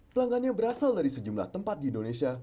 pelanggannya berasal dari sejumlah tempat di indonesia